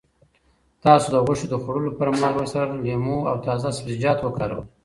تاسو د غوښې د خوړلو پر مهال ورسره لیمو او تازه سبزیجات وکاروئ.